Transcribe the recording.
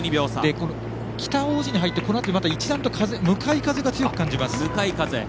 北大路に入って、このあと一段と向かい風が、強く感じます。